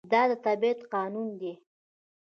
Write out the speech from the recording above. دا د طبیعت قانون دی.